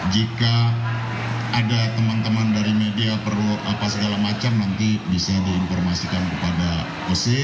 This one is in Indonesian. jika ada teman teman dari media perlu apa segala macam nanti bisa diinformasikan kepada oc